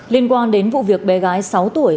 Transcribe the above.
liên quan đến vụ việc bé gái sáu tuổi